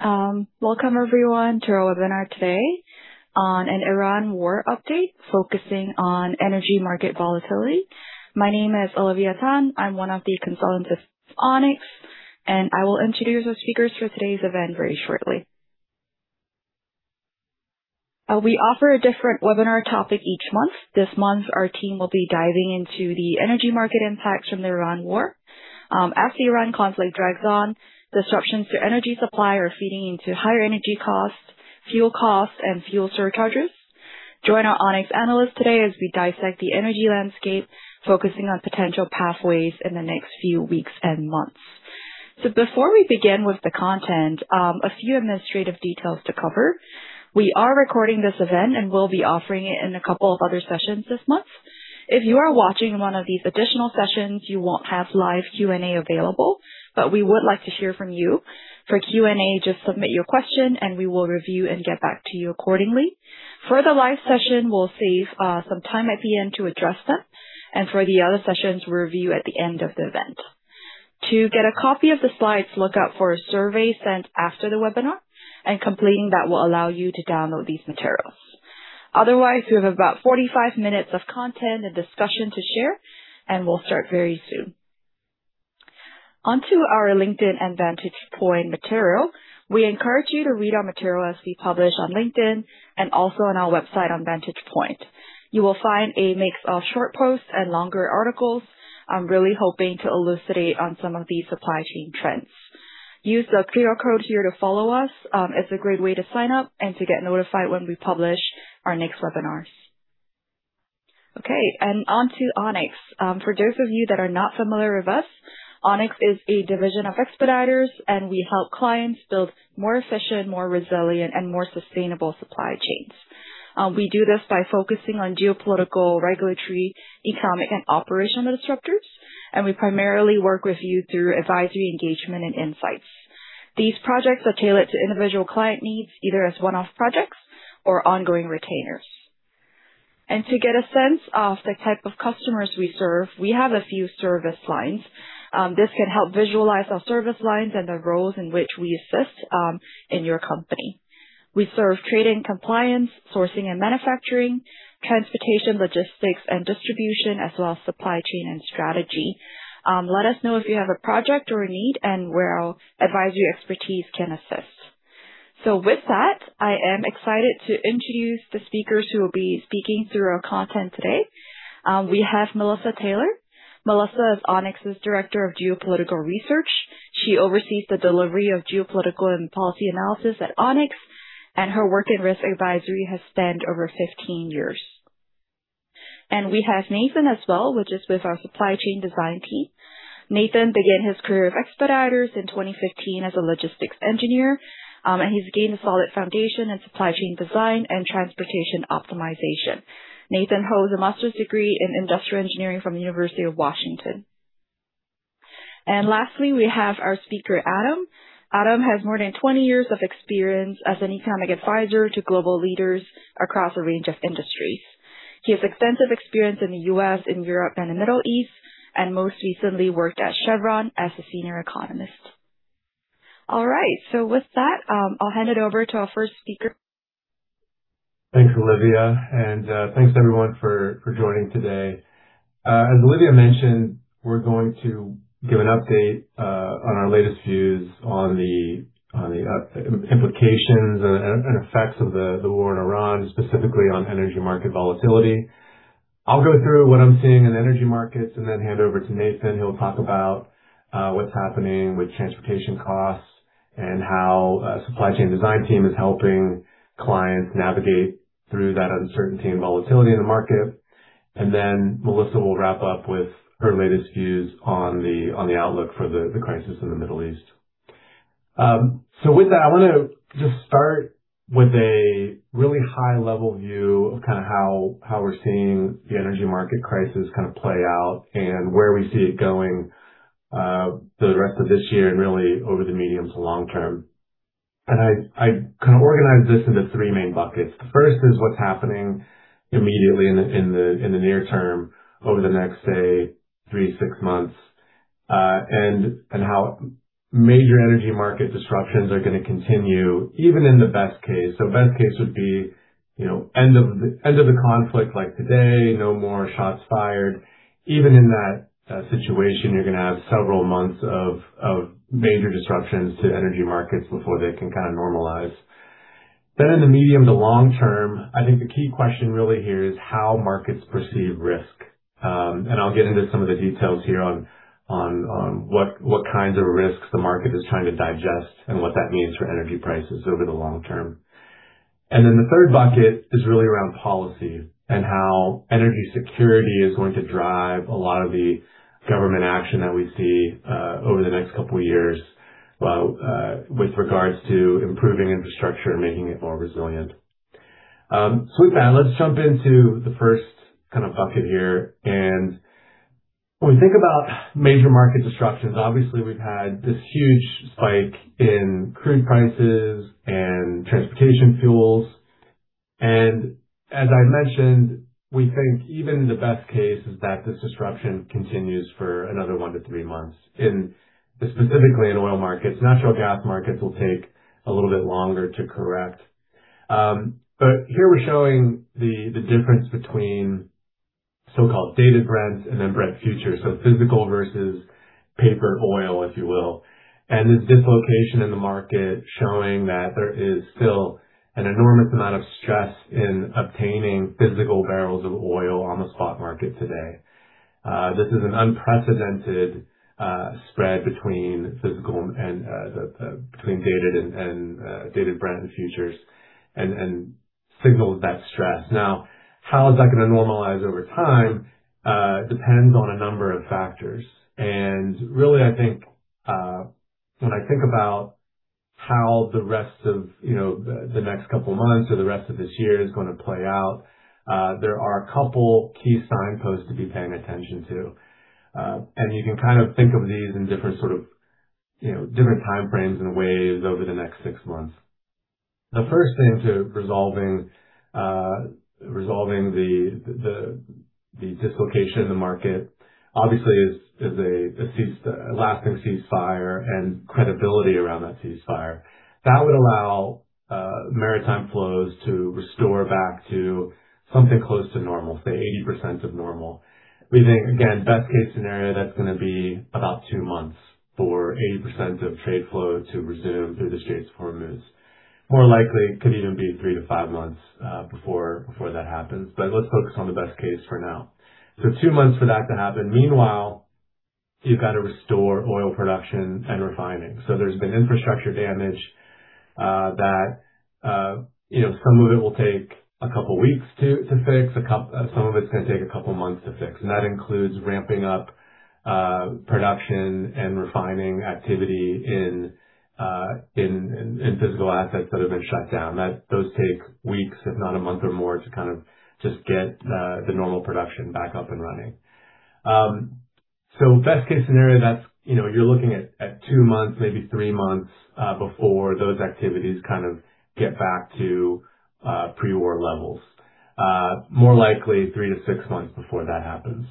All right. Welcome everyone to our webinar today on an Iran war update focusing on energy market volatility. My name is Olivia Tan. I'm one of the consultants at Onyx, and I will introduce our speakers for today's event very shortly. We offer a different webinar topic each month. This month, our team will be diving into the energy market impacts from the Iran war. As the Iran conflict drags on, disruptions to energy supply are feeding into higher energy costs, fuel costs, and fuel surcharges. Join our Onyx analysts today as we dissect the energy landscape, focusing on potential pathways in the next few weeks and months. Before we begin with the content, a few administrative details to cover. We are recording this event, and we'll be offering it in a couple of other sessions this month. If you are watching one of these additional sessions, you won't have live Q&A available, but we would like to hear from you. For Q&A, just submit your question, and we will review and get back to you accordingly. For the live session, we'll save some time at the end to address them, and for the other sessions, we'll review at the end of the event. To get a copy of the slides, look out for a survey sent after the webinar. Completing that will allow you to download these materials. Otherwise, we have about 45 minutes of content and discussion to share, and we'll start very soon. On to our LinkedIn and Vantage Point material. We encourage you to read our material as we publish on LinkedIn and also on our website on Vantage Point. You will find a mix of short posts and longer articles, really hoping to elucidate on some of the supply chain trends. Use the QR code here to follow us. It's a great way to sign up and to get notified when we publish our next webinars. Okay, and on to Onyx. For those of you that are not familiar with us, Onyx is a division of Expeditors, and we help clients build more efficient, more resilient, and more sustainable supply chains. We do this by focusing on geopolitical, regulatory, economic, and operational disruptors, and we primarily work with you through advisory engagement and insights. These projects are tailored to individual client needs, either as one-off projects or ongoing retainers. To get a sense of the type of customers we serve, we have a few service lines. This can help visualize our service lines and the roles in which we assist in company. We serve trade and compliance, sourcing and manufacturing, transportation, logistics, and distribution, as well as supply chain and strategy. Let us know if you have a project or a need and where our advisory expertise can assist. With that, I am excited to introduce the speakers who will be speaking through our content today. We have Melissa Taylor. Melissa is Onyx's Director of Geopolitical Research. She oversees the delivery of geopolitical and policy analysis at Onyx, and her work in risk advisory has spanned over 15 years. We have Nathan as well, which is with our supply chain design team. Nathan began his career with Expeditors in 2015 as a logistics engineer, and he's gained a solid foundation in supply chain design and transportation optimization. Nathan holds a master's degree in industrial engineering from the University of Washington. Lastly, we have our speaker, Adam. Adam has more than 20 years of experience as an economic advisor to global leaders across a range of industries. He has extensive experience in the U.S., and Europe and the Middle East, and most recently worked at Chevron as a senior economist. All right. With that, I'll hand it over to our first speaker. Thanks, Olivia. Thanks everyone for joining today. As Olivia mentioned, we're going to give an update on our latest views on the implications and effects of the war in Iran, specifically on energy market volatility. I'll go through what I'm seeing in energy markets and then hand over to Nathan, who will talk about what's happening with transportation costs and how supply chain design team is helping clients navigate through that uncertainty and volatility in the market. Then Melissa will wrap up with her latest views on the outlook for the crisis in the Middle East. With that, I want to just start with a really high-level view of how we're seeing the energy market crisis play out and where we see it going, the rest of this year and really over the medium to long term. I organized this into three main buckets. The first is what's happening immediately in the near term over the next, say, 3-6 months, and how major energy market disruptions are going to continue, even in the best case. Best case would be end of the conflict, like today, no more shots fired. Even in that situation, you're going to have several months of major disruptions to energy markets before they can normalize. In the medium to long term, I think the key question really here is how markets perceive risk. I'll get into some of the details here on what kinds of risks the market is trying to digest and what that means for energy prices over the long term. The third bucket is really around policy and how energy security is going to drive a lot of the government action that we see over the next couple of years with regards to improving infrastructure and making it more resilient. With that, let's jump into the first bucket here. When we think about major market disruptions, obviously we've had this huge spike in crude prices and transportation fuels. As I mentioned, we think even the best case is that this disruption continues for another 1-3 months, specifically in oil markets. Natural gas markets will take a little bit longer to correct. Here we're showing the difference between so-called Dated Brent and then Brent futures. Physical versus paper oil, if you will. This dislocation in the market showing that there is still an enormous amount of stress in obtaining physical barrels of oil on the spot market today. This is an unprecedented spread between Dated Brent and futures, and signals that stress. Now, how is that going to normalize over time depends on a number of factors. Really, when I think about how the next couple of months or the rest of this year is going to play out, there are a couple of key signposts to be paying attention to. You can think of these in different time frames and waves over the next six months. The first thing to resolving the dislocation in the market, obviously, is a lasting ceasefire and credibility around that ceasefire. That would allow maritime flows to restore back to something close to normal, say, 80% of normal. We think, again, best case scenario, that's going to be about 2 months for 80% of trade flow to resume through the Strait of Hormuz. More likely, it could even be 3-5 months before that happens. Let's focus on the best case for now. Two months for that to happen. Meanwhile, you've got to restore oil production and refining. There's been infrastructure damage that some of it will take a couple of weeks to fix, some of it's going to take a couple of months to fix, and that includes ramping up production and refining activity in physical assets that have been shut down. Those take weeks, if not a month or more, to just get the normal production back up and running. Best case scenario, you're looking at 2 months, maybe 3 months, before those activities get back to pre-war levels. More likely 3-6 months before that happens.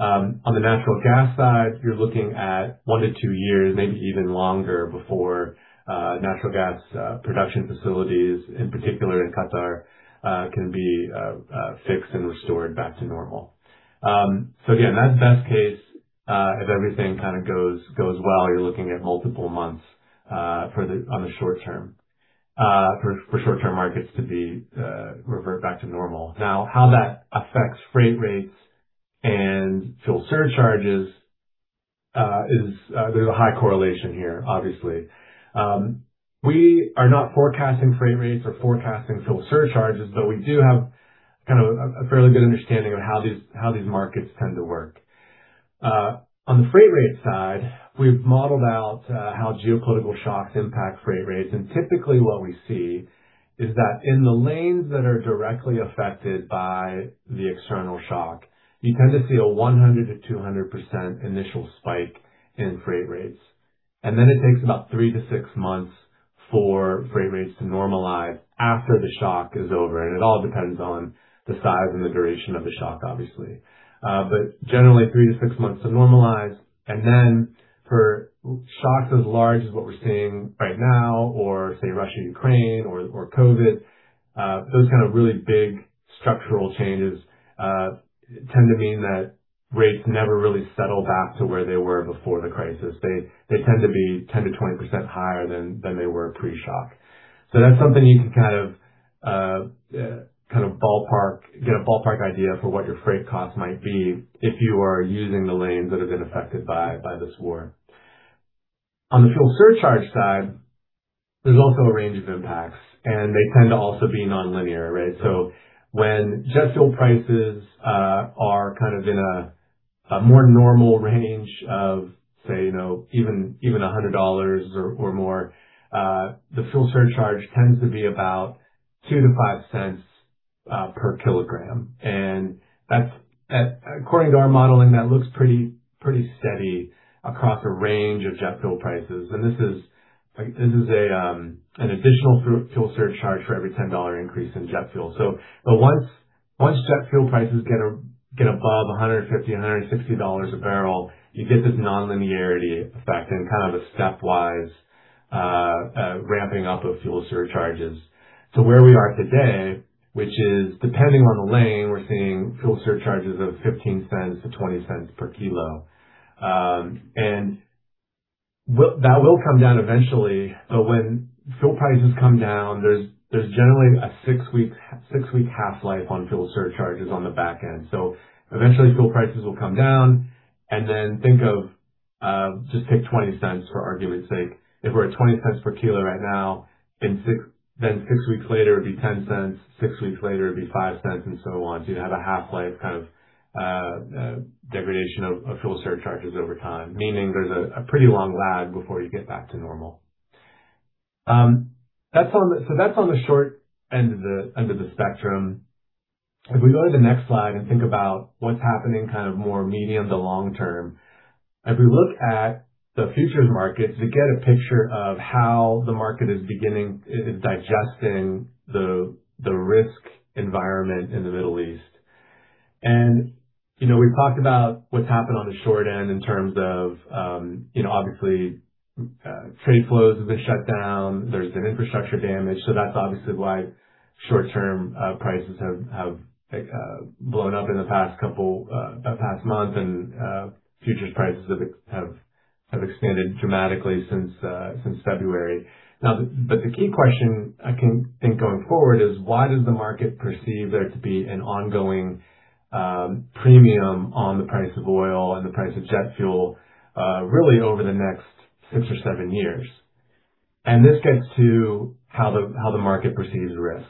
On the natural gas side, you're looking at 1-2 years, maybe even longer, before natural gas production facilities, in particular in Qatar, can be fixed and restored back to normal. Again, that best case, if everything goes well, you're looking at multiple months on the short term, for short-term markets to revert back to normal. Now, how that affects freight rates and fuel surcharges, there's a high correlation here, obviously. We are not forecasting freight rates or forecasting fuel surcharges, but we do have a fairly good understanding of how these markets tend to work. On the freight rate side, we've modeled out how geopolitical shocks impact freight rates, and typically what we see is that in the lanes that are directly affected by the external shock, you tend to see a 100%-200% initial spike in freight rates. It takes about three to six months for freight rates to normalize after the shock is over. It all depends on the size and the duration of the shock, obviously. Generally, three to six months to normalize. For shocks as large as what we're seeing right now, or say, Russia-Ukraine or COVID, those kind of really big structural changes tend to mean that rates never really settle back to where they were before the crisis. They tend to be 10%-20% higher than they were pre-shock. That's something you can get a ballpark idea for what your freight cost might be if you are using the lanes that have been affected by this war. On the fuel surcharge side, there's also a range of impacts, and they tend to also be nonlinear. When jet fuel prices are in a more normal range of, say, even $100 or more, the fuel surcharge tends to be about $0.02-$0.05 per kilogram. According to our modeling, that looks pretty steady across a range of jet fuel prices. This is an additional fuel surcharge for every $10 increase in jet fuel. Once jet fuel prices get above $150-$160 a barrel, you get this nonlinearity effect and a stepwise ramping up of fuel surcharges to where we are today, which is, depending on the lane, we're seeing fuel surcharges of $0.15-$0.20 per kilo. That will come down eventually, but when fuel prices come down, there's generally a 6-week half-life on fuel surcharges on the back end. Eventually, fuel prices will come down, and then just take 20 cents for argument's sake. If we're at $0.20 per kilo right now, then 6 weeks later, it'd be $0.10, 6 weeks later, it'd be $0.05, and so on. You have a half-life degradation of fuel surcharges over time, meaning there's a pretty long lag before you get back to normal. That's on the short end of the spectrum. If we go to the next slide and think about what's happening more medium to long-term. If we look at the futures markets, we get a picture of how the market is digesting the risk environment in the Middle East. We've talked about what's happened on the short end in terms of, obviously, trade flows have been shut down. There's been infrastructure damage. That's obviously why short-term prices have blown up in the past month and futures prices have expanded dramatically since February. Now, the key question I can think going forward is why does the market perceive there to be an ongoing premium on the price of oil and the price of jet fuel, really over the next six or seven years? This gets to how the market perceives risk.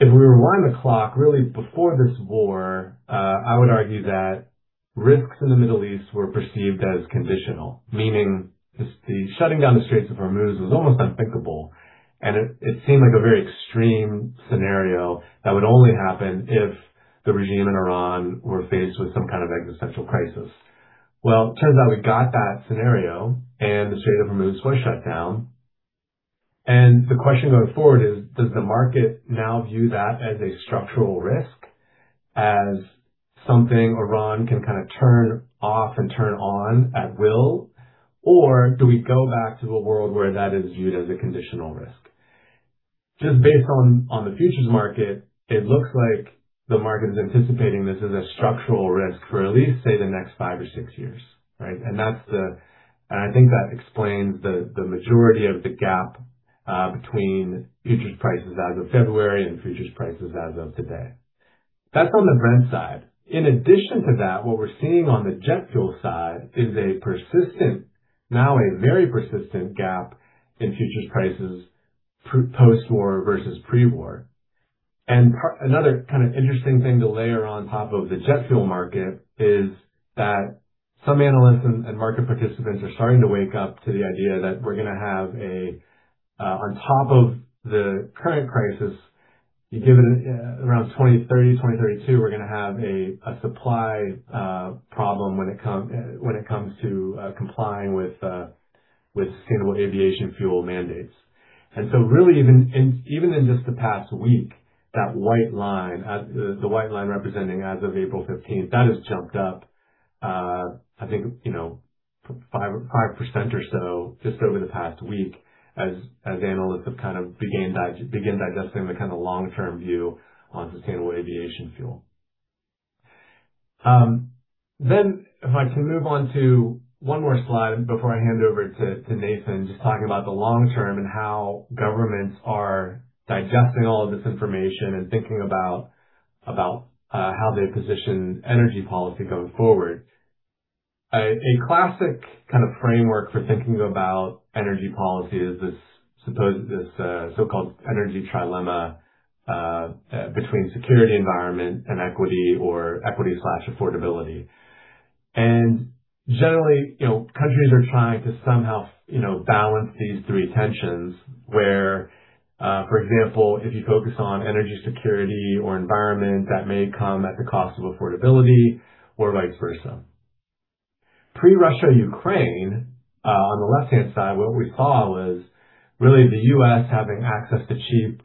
If we rewind the clock really before this war, I would argue that risks in the Middle East were perceived as conditional, meaning the shutting down the Strait of Hormuz was almost unthinkable, and it seemed like a very extreme scenario that would only happen if the regime in Iran were faced with some kind of existential crisis. Well, turns out we got that scenario, and the Strait of Hormuz was shut down. The question going forward is, does the market now view that as a structural risk, as something Iran can turn off and turn on at will? Or do we go back to a world where that is viewed as a conditional risk? Just based on the futures market, it looks like the market is anticipating this as a structural risk for at least, say, the next five or six years. Right? I think that explains the majority of the gap between futures prices as of February and futures prices as of today. That's on the Brent side. In addition to that, what we're seeing on the jet fuel side is a persistent, now a very persistent gap in futures prices post-war versus pre-war. Another kind of interesting thing to layer on top of the jet fuel market is that some analysts and market participants are starting to wake up to the idea that on top of the current crisis, given around 2030, 2032, we're going to have a supply problem when it comes to complying with sustainable aviation fuel mandates. Really even in just the past week, that white line representing as of April 15th, that has jumped up, I think, 5% or so just over the past week as analysts have began digesting the kind of long-term view on sustainable aviation fuel. If I can move on to one more slide before I hand over to Nathan, just talking about the long term and how governments are digesting all of this information and thinking about how they position energy policy going forward. A classic framework for thinking about energy policy is this so-called energy trilemma between security environment and equity or equity/affordability. Generally, countries are trying to somehow balance these three tensions where, for example, if you focus on energy security or environment, that may come at the cost of affordability or vice versa. Pre-Russia-Ukraine, on the left-hand side, what we saw was really the U.S. having access to cheap,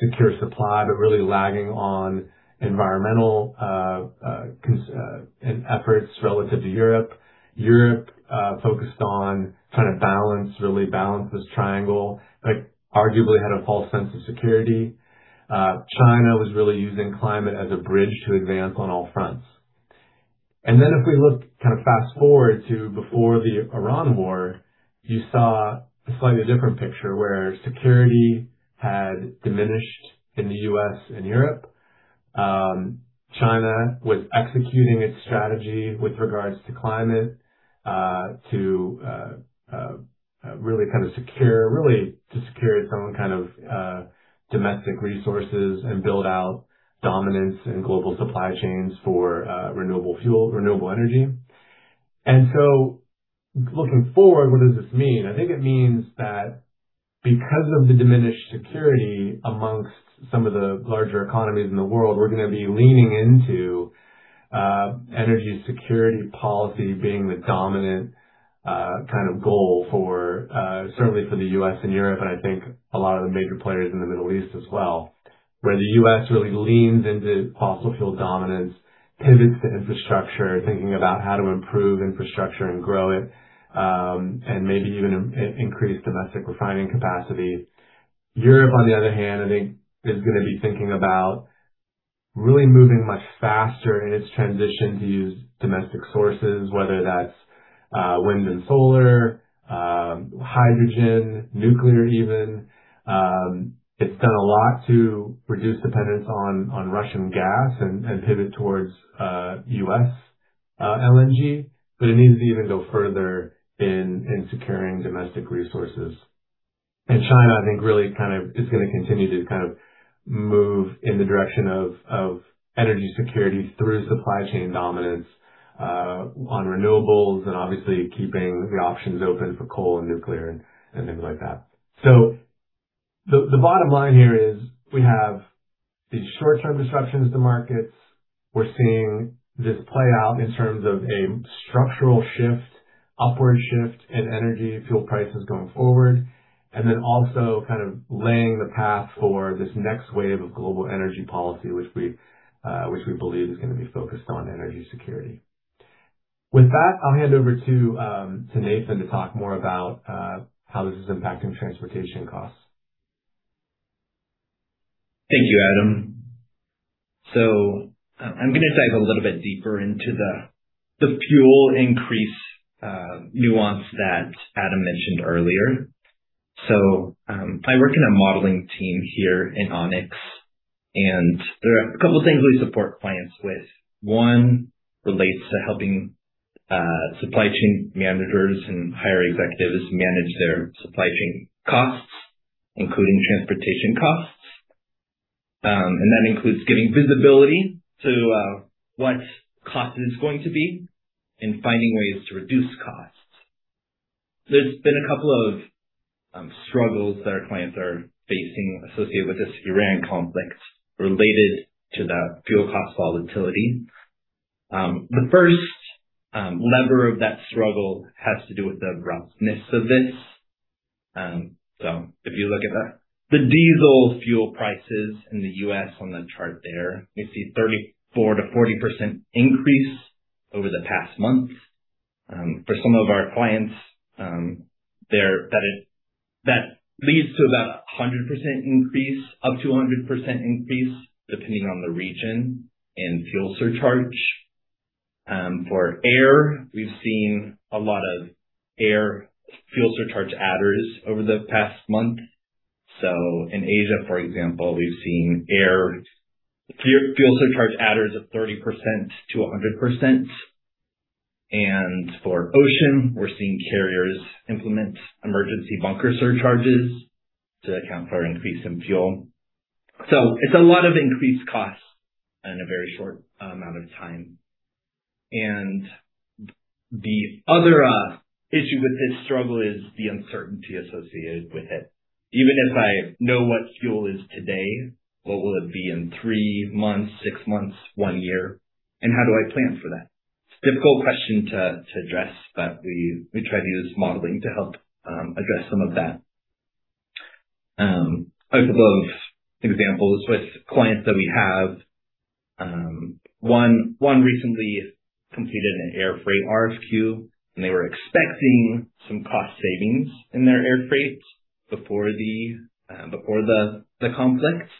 secure supply, but really lagging on environmental efforts relative to Europe. Europe, focused on trying to balance, really balance this triangle, but arguably had a false sense of security. China was really using climate as a bridge to advance on all fronts. If we look fast-forward to before the Iran war, you saw a slightly different picture where security had diminished in the U.S. and Europe. China was executing its strategy with regards to climate, to really secure its own domestic resources and build out dominance in global supply chains for renewable energy. Looking forward, what does this mean? I think it means that because of the diminished security amongst some of the larger economies in the world, we're going to be leaning into energy security policy being the dominant goal for certainly for the U.S. and Europe, and I think a lot of the major players in the Middle East as well, where the U.S. really leans into fossil fuel dominance, pivots to infrastructure, thinking about how to improve infrastructure and grow it, and maybe even increase domestic refining capacity. Europe, on the other hand, I think, is going to be thinking about really moving much faster in its transition to use domestic sources, whether that's wind and solar, hydrogen, nuclear, even. It's done a lot to reduce dependence on Russian gas and pivot towards U.S. LNG, but it needs to even go further in securing domestic resources. China, I think, really is going to continue to move in the direction of energy security through supply chain dominance on renewables and obviously keeping the options open for coal and nuclear and things like that. The bottom line here is we have these short-term disruptions to markets. We're seeing this play out in terms of a structural shift, upward shift in energy, fuel prices going forward. Then also kind of laying the path for this next wave of global energy policy, which we believe is going to be focused on energy security. With that, I'll hand over to Nathan to talk more about how this is impacting transportation costs. Thank you, Adam. I'm going to dive a little bit deeper into the fuel increase nuance that Adam mentioned earlier. I work in a modeling team here in Onyx, and there are a couple of things we support clients with. One relates to helping supply chain managers and higher executives manage their supply chain costs, including transportation costs. That includes giving visibility to what cost is going to be and finding ways to reduce costs. There's been a couple of struggles that our clients are facing associated with this Iran conflict related to the fuel cost volatility. The first lever of that struggle has to do with the roughness of this. If you look at the diesel fuel prices in the U.S. on the chart there, you see 34%-40% increase over the past month. For some of our clients, that leads to about 100% increase, up to 100% increase, depending on the region and fuel surcharge. For air, we've seen a lot of air fuel surcharge adders over the past month. In Asia, for example, we've seen air fuel surcharge adders of 30%-100%. For ocean, we're seeing carriers implement emergency bunker surcharges to account for increase in fuel. It's a lot of increased costs in a very short amount of time. The other issue with this struggle is the uncertainty associated with it. Even if I know what fuel is today, what will it be in 3 months, 6 months, 1 year? How do I plan for that? It's a difficult question to address, but we try to use modeling to help address some of that. A couple of examples with clients that we have. One recently completed an air freight RFQ, and they were expecting some cost savings in their air freight before the conflict,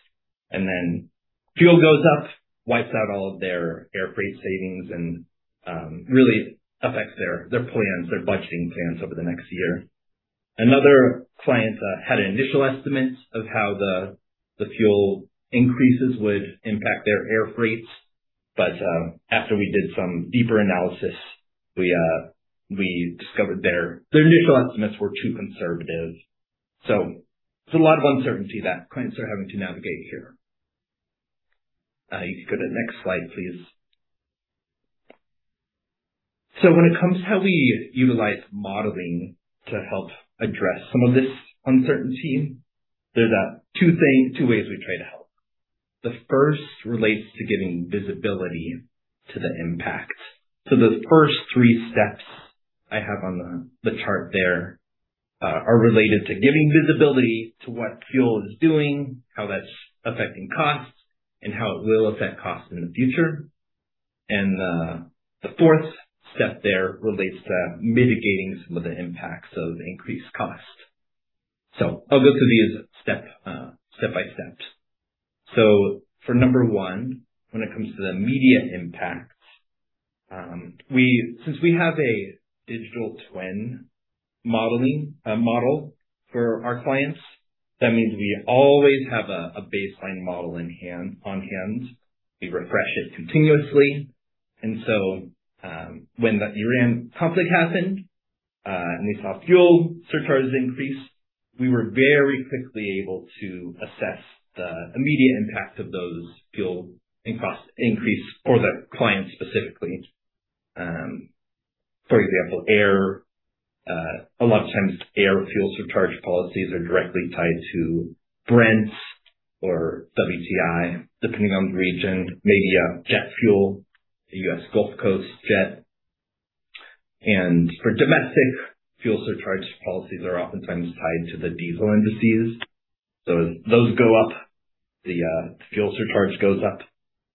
and then fuel goes up, wipes out all of their air freight savings, and really affects their plans, their budgeting plans over the next year. Another client had an initial estimate of how the fuel increases would impact their air freight. After we did some deeper analysis, we discovered their initial estimates were too conservative. There's a lot of uncertainty that clients are having to navigate here. You could go to next slide, please. When it comes to how we utilize modeling to help address some of this uncertainty, there's two ways we try to help. The first relates to giving visibility to the impact. The first three steps I have on the chart there are related to giving visibility to what fuel is doing, how that's affecting costs, and how it will affect costs in the future. The fourth step there relates to mitigating some of the impacts of increased costs. I'll go through these step by step. For number 1, when it comes to the immediate impact, since we have a digital twin model for our clients, that means we always have a baseline model on hand. We refresh it continuously. When the Iran conflict happened, and we saw fuel surcharges increase, we were very quickly able to assess the immediate impact of those fuel increase for the client specifically. For example, air. A lot of times air fuel surcharge policies are directly tied to Brent or WTI, depending on the region. Maybe jet fuel, the U.S. Gulf Coast jet. For domestic, fuel surcharge policies are oftentimes tied to the diesel indices. Those go up, the fuel surcharge goes up,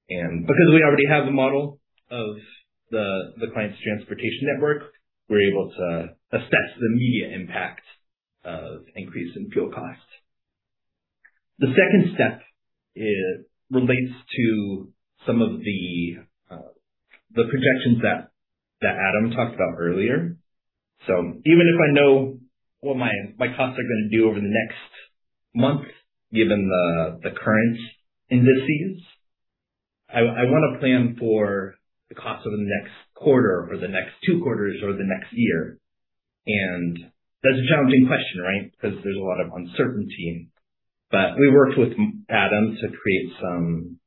and because we already have the model of the client's transportation network, we're able to assess the immediate impact of increases in fuel costs. The second step relates to some of the projections that Adam talked about earlier. Even if I know what my costs are going to do over the next month, given the current indices, I want to plan for the cost over the next quarter or the next two quarters or the next year. That's a challenging question, right? Because there's a lot of uncertainty. We worked with Adam to create some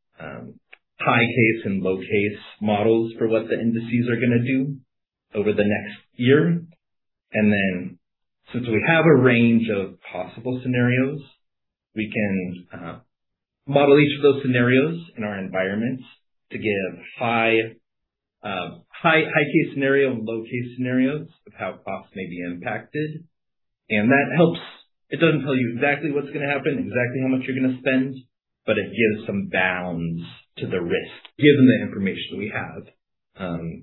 high case and low case models for what the indices are going to do over the next year. Then since we have a range of possible scenarios, we can model each of those scenarios in our environments to give high-case scenario and low case scenarios of how costs may be impacted. That helps. It doesn't tell you exactly what's going to happen, exactly how much you're going to spend, but it gives some bounds to the risk given the information we have,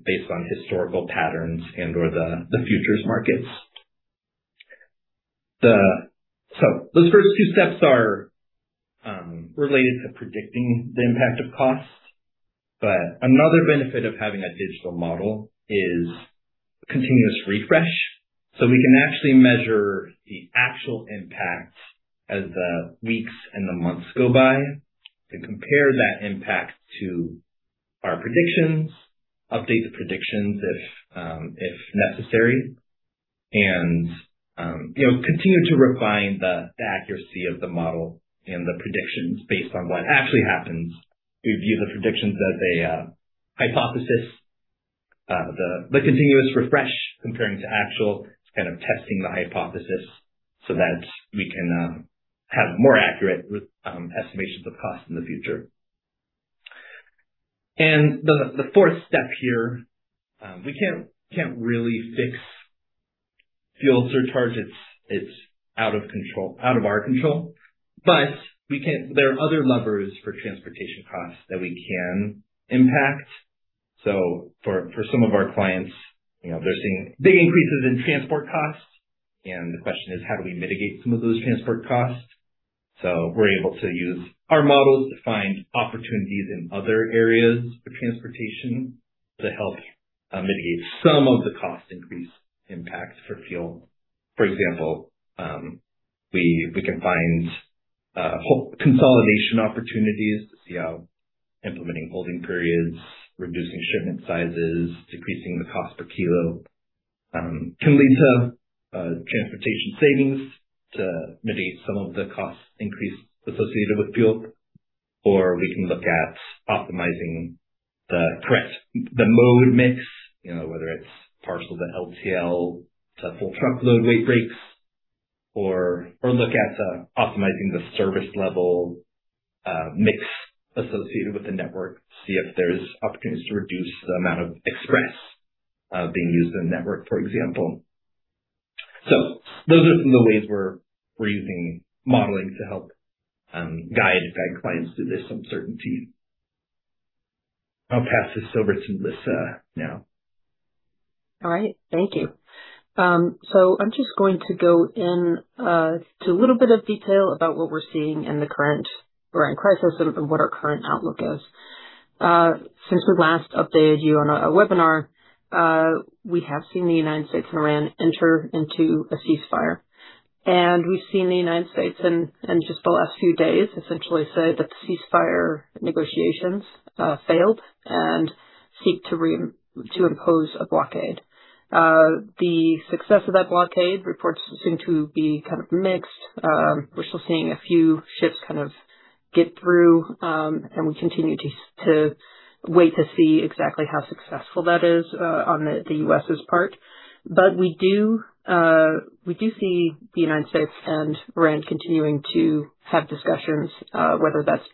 based on historical patterns and/or the futures markets. Those first two steps are related to predicting the impact of costs, but another benefit of having a digital model is continuous refresh. We can actually measure the actual impact as the weeks and the months go by to compare that impact to our predictions, update the predictions if necessary, and continue to refine the accuracy of the model and the predictions based on what actually happens. We view the predictions as a hypothesis. The continuous refresh comparing to actual, it's kind of testing the hypothesis so that we can have more accurate estimations of cost in the future. The fourth step here, we can't really fix fuel surcharge. It's out of our control. There are other levers for transportation costs that we can impact. For some of our clients, they're seeing big increases in transport costs, and the question is, how do we mitigate some of those transport costs? We're able to use our models to find opportunities in other areas of transportation to help mitigate some of the cost increase impacts for fuel. For example, we can find consolidation opportunities to see how implementing holding periods, reducing shipment sizes, decreasing the cost per kilo, can lead to transportation savings to mitigate some of the cost increase associated with fuel. We can look at optimizing the mode mix, whether it's parcel to LTL to full truckload weight breaks, or look at optimizing the service level mix associated with the network to see if there's opportunities to reduce the amount of express being used in the network, for example. Those are some of the ways we're using modeling to help guide clients through this uncertainty. I'll pass this over to Lisa now. All right. Thank you. I'm just going to go into a little bit of detail about what we're seeing in the current Iran crisis and what our current outlook is. Since we last updated you on our webinar, we have seen the United States and Iran enter into a ceasefire, and we've seen the United States in just the last few days, essentially say that the ceasefire negotiations failed and seek to impose a blockade. The success of that blockade, reports seem to be kind of mixed. We're still seeing a few ships kind of get through, and we continue to wait to see exactly how successful that is on the U.S.'s part. We do see the United States and Iran continuing to have discussions, whether that's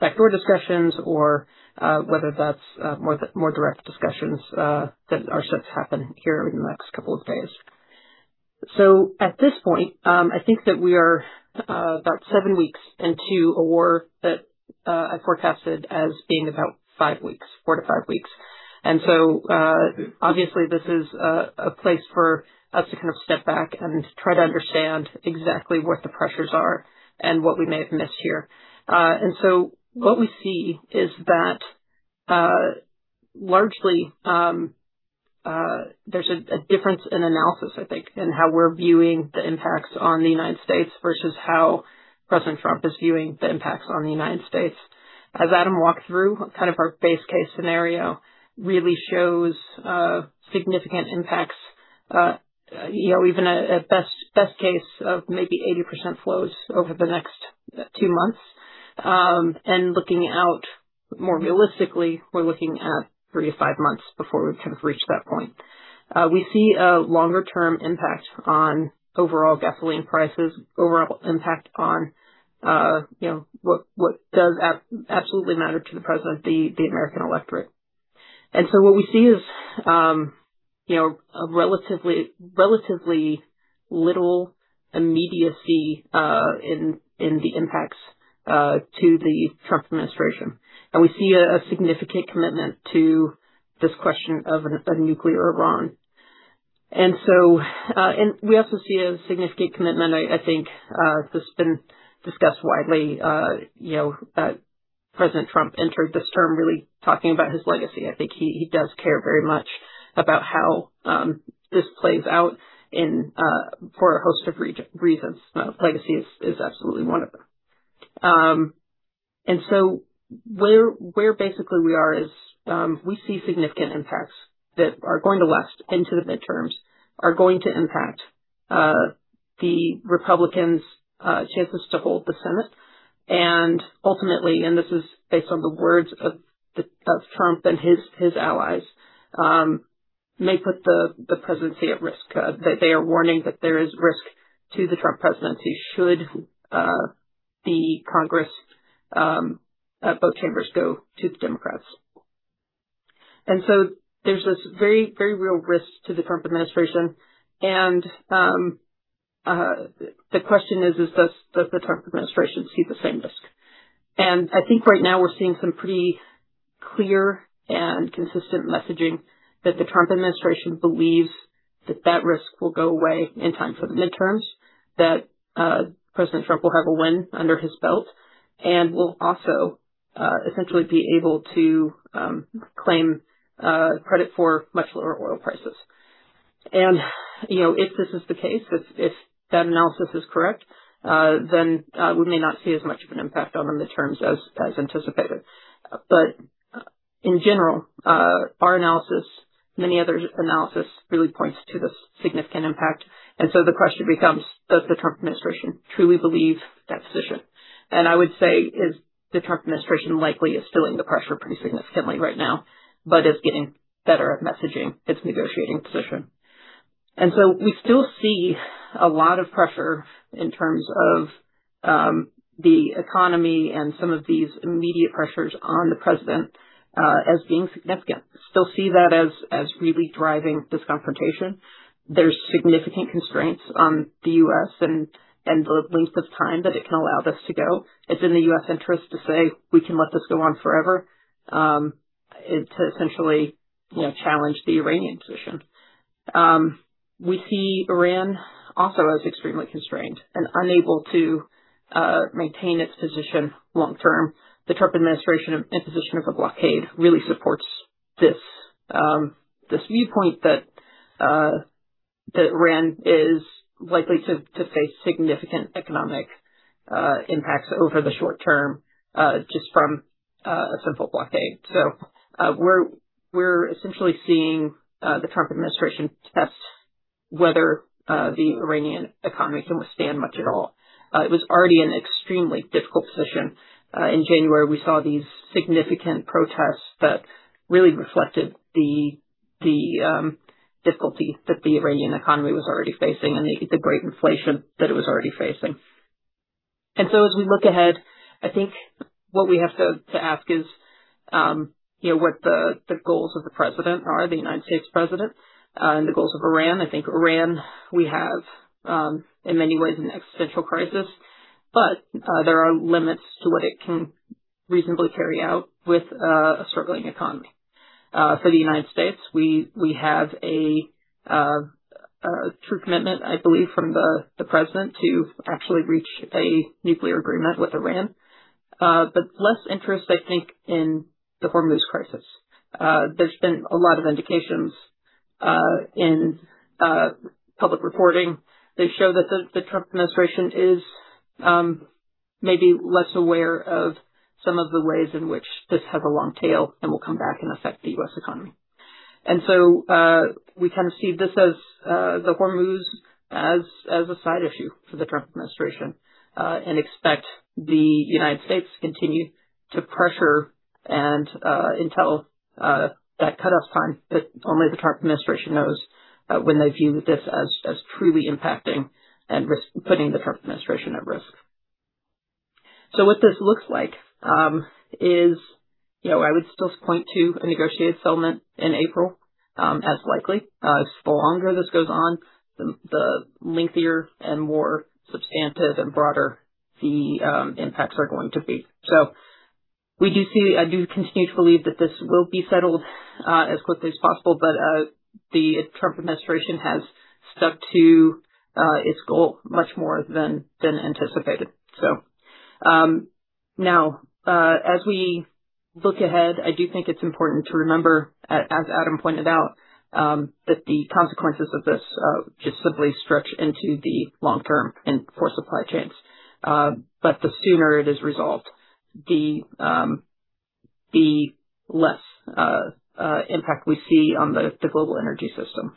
backdoor discussions or whether that's more direct discussions that are set to happen here in the next couple of days. At this point, I think that we are about 7 weeks into a war that I forecasted as being about 5 weeks, 4-5 weeks. Obviously this is a place for us to kind of step back and try to understand exactly what the pressures are and what we may have missed here. What we see is that, largely, there's a difference in analysis, I think, in how we're viewing the impacts on the United States versus how President Trump is viewing the impacts on the United States. As Adam walked through, kind of our base case scenario really shows significant impacts, even a best case of maybe 80% flows over the next 2 months. Looking out more realistically, we're looking at 3-5 months before we kind of reach that point. We see a longer-term impact on overall gasoline prices, overall impact on what does absolutely matter to the President, the American electorate. What we see is relatively little immediacy in the impacts to the Trump administration. We see a significant commitment to this question of a nuclear Iran. We also see a significant commitment, I think, that's been discussed widely. President Trump entered this term really talking about his legacy. I think he does care very much about how this plays out for a host of reasons. Legacy is absolutely one of them. Where basically we are is, we see significant impacts that are going to last into the midterms, are going to impact the Republicans' chances to hold the Senate. Ultimately, and this is based on the words of Trump and his allies, may put the presidency at risk. They are warning that there is risk to the Trump presidency should the Congress, both chambers, go to the Democrats. There's this very real risk to the Trump administration, and the question is, does the Trump administration see the same risk? I think right now we're seeing some pretty clear and consistent messaging that the Trump administration believes that that risk will go away in time for the midterms, that President Trump will have a win under his belt, and will also essentially be able to claim credit for much lower oil prices. If this is the case, if that analysis is correct, then we may not see as much of an impact on the midterms as anticipated. In general, our analysis, many others' analysis, really points to this significant impact. The question becomes, does the Trump administration truly believe that position? I would say the Trump administration likely is feeling the pressure pretty significantly right now, but is getting better at messaging its negotiating position. We still see a lot of pressure in terms of the economy and some of these immediate pressures on the president as being significant, still see that as really driving this confrontation. There's significant constraints on the U.S. and the length of time that it can allow this to go. It's in the U.S. interest to say, "We can let this go on forever," and to essentially challenge the Iranian position. We see Iran also as extremely constrained and unable to maintain its position long term. The Trump administration imposition of a blockade really supports this viewpoint that Iran is likely to face significant economic impacts over the short term, just from a simple blockade. We're essentially seeing the Trump administration test whether the Iranian economy can withstand much at all. It was already in an extremely difficult position. In January, we saw these significant protests that really reflected the difficulty that the Iranian economy was already facing and the great inflation that it was already facing. As we look ahead, I think what we have to ask is, what the goals of the president are, the United States president, and the goals of Iran. I think Iran, we have, in many ways, an existential crisis, but there are limits to what it can reasonably carry out with a struggling economy. For the United States, we have a true commitment, I believe, from the president to actually reach a nuclear agreement with Iran. Less interest, I think, in the Hormuz crisis. There's been a lot of indications in public reporting that show that the Trump administration is maybe less aware of some of the ways in which this has a long tail and will come back and affect the U.S. economy. We kind of see this as the Hormuz as a side issue for the Trump administration, and expect the United States to continue to pressure until that cutoff time that only the Trump administration knows when they view this as truly impacting and putting the Trump administration at risk. What this looks like is, I would still point to a negotiated settlement in April, as likely. The longer this goes on, the lengthier and more substantive and broader the impacts are going to be. I do continue to believe that this will be settled as quickly as possible, but the Trump administration has stuck to its goal much more than anticipated. Now, as we look ahead, I do think it's important to remember, as Adam pointed out, that the consequences of this just simply stretch into the long term and for supply chains. The sooner it is resolved, the less impact we see on the global energy system.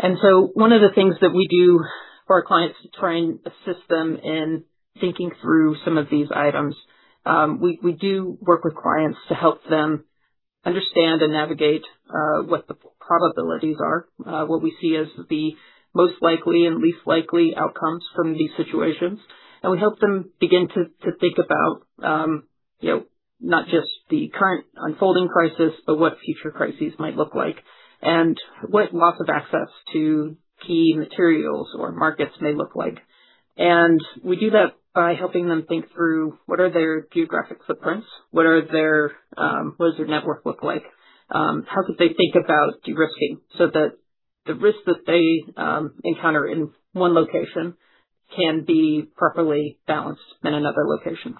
One of the things that we do for our clients to try and assist them in thinking through some of these items, we do work with clients to help them understand and navigate what the probabilities are, what we see as the most likely and least likely outcomes from these situations. We help them begin to think about not just the current unfolding crisis, but what future crises might look like, and what loss of access to key materials or markets may look like. We do that by helping them think through what are their geographic footprints, what does their network look like? How could they think about de-risking so that the risks that they encounter in one location can be properly balanced in another location?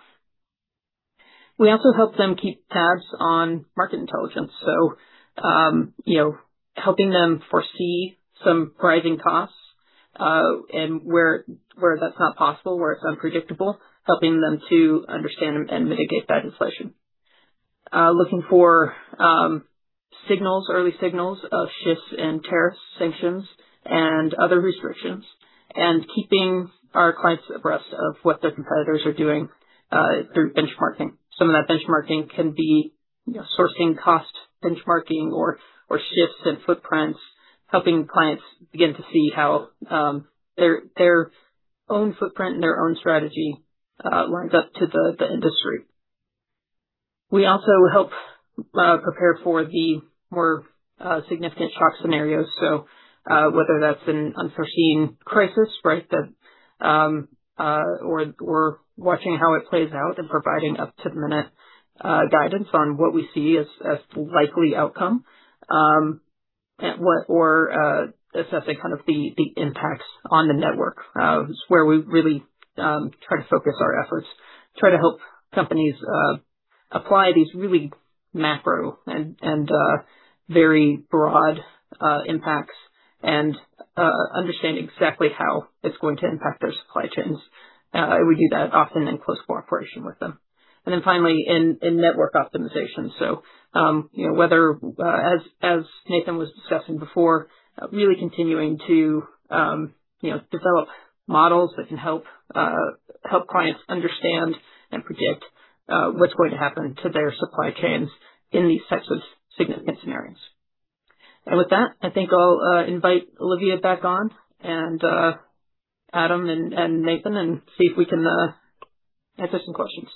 We also help them keep tabs on market intelligence, helping them foresee some rising costs, and where that's not possible, where it's unpredictable, helping them to understand and mitigate that inflation. Looking for early signals of shifts in tariffs, sanctions, and other restrictions, and keeping our clients abreast of what their competitors are doing through benchmarking. Some of that benchmarking can be sourcing cost benchmarking or shifts in footprints, helping clients begin to see how their own footprint and their own strategy lines up to the industry. We also help prepare for the more significant shock scenarios. Whether that's an unforeseen crisis, right? Or watching how it plays out and providing up-to-the-minute guidance on what we see as the likely outcome, or assessing the impacts on the network. It's where we really try to focus our efforts, try to help companies apply these really macro and very broad impacts and understand exactly how it's going to impact their supply chains. We do that often in close cooperation with them. Finally, in network optimization. Whether, as Nathan was discussing before, really continuing to develop models that can help clients understand and predict what's going to happen to their supply chains in these types of significant scenarios. With that, I think I'll invite Olivia back on, and Adam and Nathan, and see if we can answer some questions.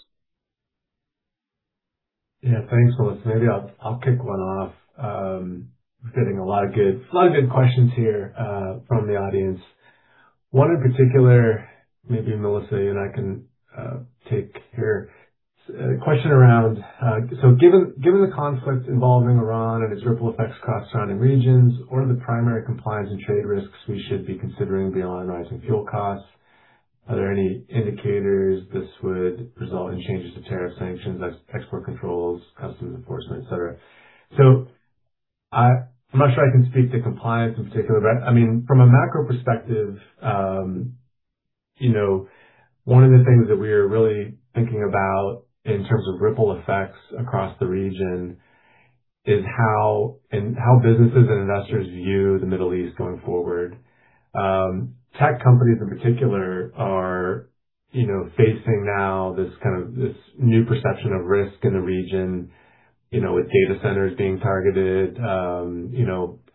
Yeah. Thanks, Melissa. Maybe I'll kick one off. I'm getting a lot of good questions here from the audience. One in particular, maybe Melissa and I can take here. A question around, so given the conflict involving Iran and its ripple effects across surrounding regions, what are the primary compliance and trade risks we should be considering beyond rising fuel costs? Are there any indicators this would result in changes to tariff sanctions, export controls, customs enforcement, et cetera? I'm not sure I can speak to compliance in particular, but from a macro perspective, one of the things that we're really thinking about in terms of ripple effects across the region is how businesses and investors view the Middle East going forward. Tech companies, in particular, are facing now this new perception of risk in the region, with data centers being targeted,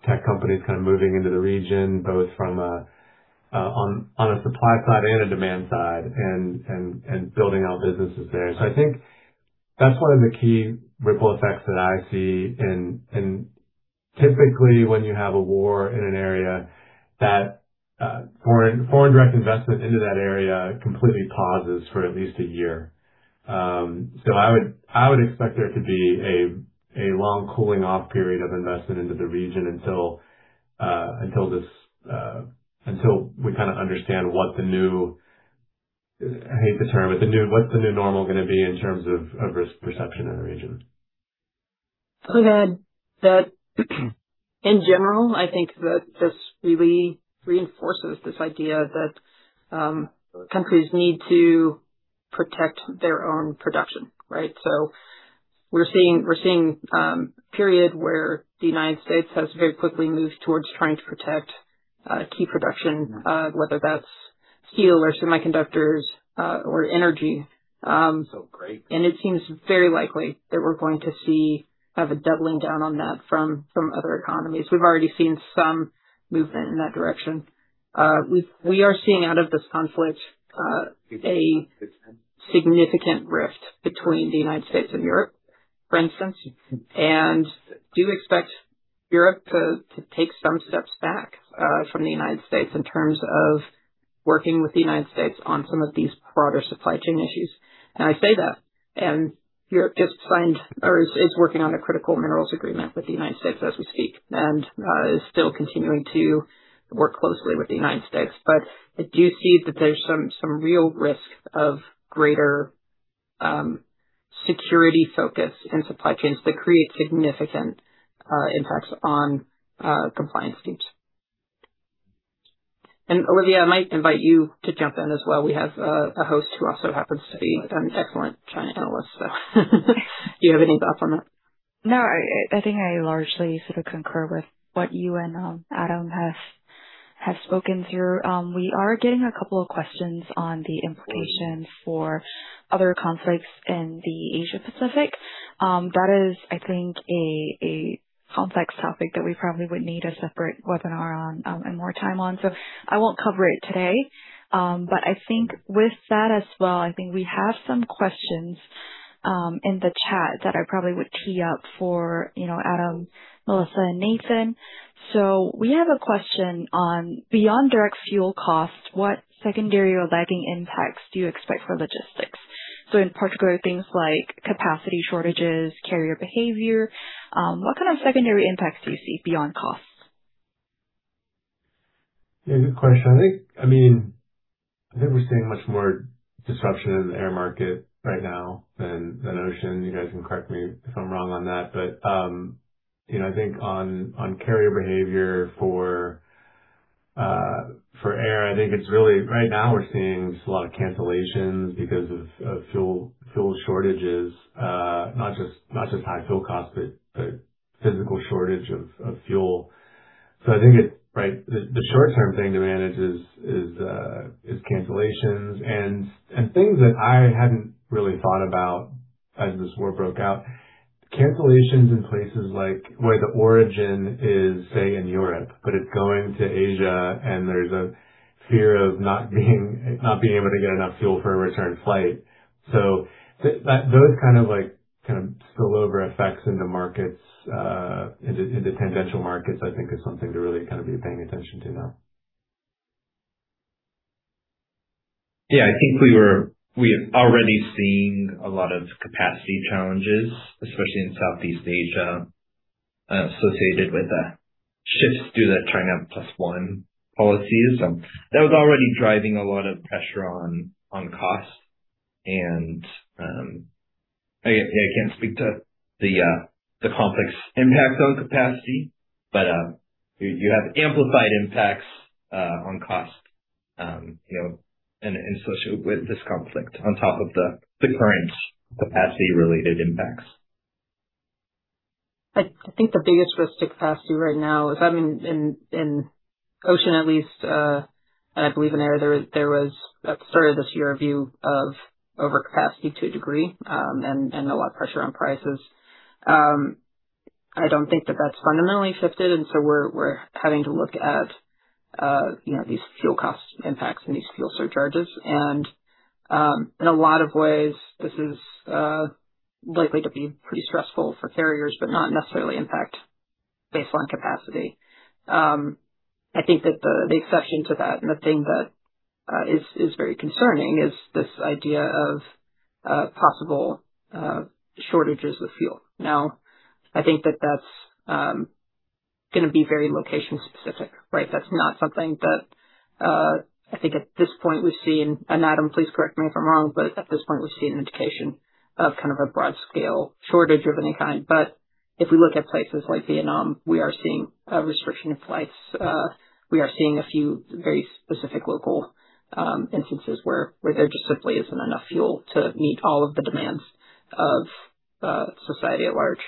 tech companies moving into the region both on a supply side and a demand side, and building out businesses there. I think that's one of the key ripple effects that I see. Typically, when you have a war in an area, foreign direct investment into that area completely pauses for at least a year. I would expect there to be a long cooling-off period of investment into the region until we understand what the new, I hate this term, but, normal going to be in terms of risk perception in the region? I would add that in general, I think that this really reinforces this idea that countries need to protect their own production, right? We're seeing a period where the United States has very quickly moved towards trying to protect key production, whether that's steel or semiconductors or energy. Great. It seems very likely that we're going to see a doubling down on that from other economies. We've already seen some movement in that direction. We are seeing out of this conflict a significant rift between the United States and Europe, for instance, and do expect Europe to take some steps back from the United States in terms of working with the United States on some of these broader supply chain issues. I say that, and Europe just signed, or is working on a critical minerals agreement with the United States as we speak, and is still continuing to work closely with the United States. I do see that there's some real risk of greater security focus in supply chains that create significant impacts on compliance teams. Olivia, I might invite you to jump in as well. We have a host who also happens to be an excellent China analyst. Do you have any thoughts on that? No, I think I largely sort of concur with what you and Adam have spoken to. We are getting a couple of questions on the implications for other conflicts in the Asia Pacific. That is, I think, a complex topic that we probably would need a separate webinar on and more time on. I won't cover it today. I think with that as well, I think we have some questions in the chat that I probably would tee up for Adam, Melissa, and Nathan. We have a question on, beyond direct fuel costs, what secondary or lagging impacts do you expect for logistics? In particular, things like capacity shortages, carrier behavior. What kind of secondary impacts do you see beyond costs? Yeah, good question. I think we're seeing much more disruption in the air market right now than ocean. You guys can correct me if I'm wrong on that. I think on carrier behavior for air, I think it's really right now we're seeing just a lot of cancellations because of fuel shortages. Not just high fuel costs, but physical shortage of fuel. I think the short-term thing to manage is cancellations and things that I hadn't really thought about as this war broke out. Cancellations in places like where the origin is, say, in Europe, but it's going to Asia, and there's a fear of not being able to get enough fuel for a return flight. Those kind of spillover effects in the markets, in the tangential markets, I think is something to really be paying attention to now. Yeah, I think we are already seeing a lot of capacity challenges, especially in Southeast Asia, associated with the shifts due to China Plus One policies. That was already driving a lot of pressure on costs. I can't speak to the complex impact on capacity, but you have amplified impacts on cost associated with this conflict on top of the current capacity-related impacts. I think the biggest risk to capacity right now is, in ocean at least, and I believe in air, there was at the start of this year, a view of overcapacity to a degree, and a lot of pressure on prices. I don't think that that's fundamentally shifted, and so we're having to look at these fuel cost impacts and these fuel surcharges. In a lot of ways, this is likely to be pretty stressful for carriers, but not necessarily impact baseline capacity. I think that the exception to that, and the thing that is very concerning is this idea of possible shortages of fuel. Now, I think that that's going to be very location specific, right? That's not something that I think at this point we've seen, and Adam, please correct me if I'm wrong, but at this point, we've seen an indication of kind of a broad-scale shortage of any kind. If we look at places like Vietnam, we are seeing a restriction of flights. We are seeing a few very specific local instances where there just simply isn't enough fuel to meet all of the demands of society at large.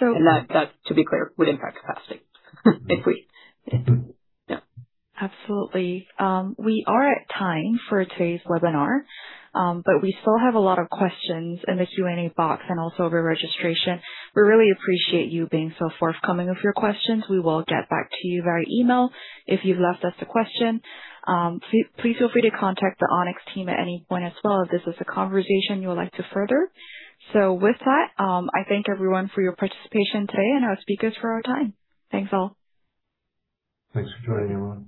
So- That, to be clear, would impact capacity. Yep. Absolutely. We are at time for today's webinar, but we still have a lot of questions in the Q&A box and also over registration. We really appreciate you being so forthcoming with your questions. We will get back to you via email if you've left us a question. Please feel free to contact the Onyx team at any point as well if this is a conversation you would like to further. With that, I thank everyone for your participation today and our speakers for their time. Thanks, all. Thanks for joining, everyone.